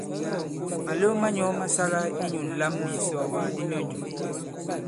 Màlew ma nyɔ̄ ma sāla inyū ǹlam nì ìsɔ̀ɔ̀wàk di myɔnjɔ̀.